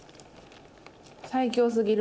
最強すぎる。